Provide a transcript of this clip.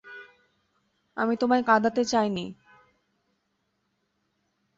আমি তোমায় কাঁদাতে চাইনি।